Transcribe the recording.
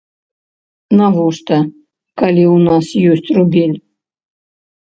Навошта, калі ў нас ёсць рубель?